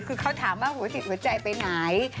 คือเขาถามว่าหัวจิตหัวใจไปไหน